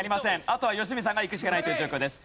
あとは吉住さんがいくしかないという状況です。